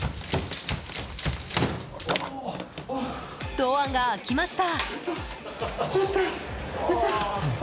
ドアが開きました。